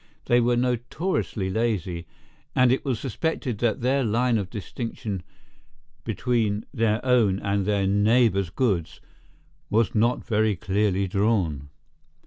They were notoriously lazy, and it was suspected that their line of distinction between their own and their neighbours' goods was not very clearly drawn.